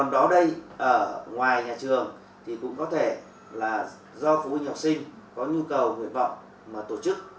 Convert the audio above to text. đó đây ở ngoài nhà trường thì cũng có thể là do phụ huynh học sinh có nhu cầu nguyện vọng mà tổ chức